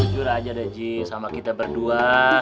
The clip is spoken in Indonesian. jujur aja deh ji sama kita berdua